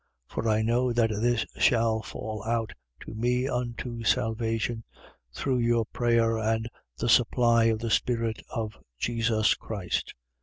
1:19. For I know that this shall fall out to me unto salvation, through your prayer and the supply of the Spirit of Jesus Christ, 1:20.